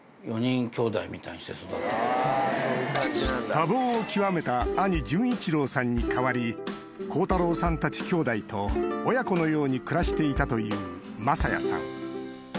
多忙を極めた兄純一郎さんに代わり孝太郎さんたち兄弟と親子のように暮らしていたという正也さん